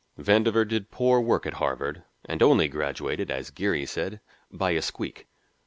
Vandover did poor work at Harvard and only graduated, as Geary said, "by a squeak."